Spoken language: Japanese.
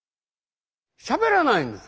しゃべらないんです。